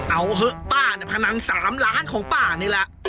เอาเถอะป้าเนี่ยพนัง๓ล้านของป้านี่แหละ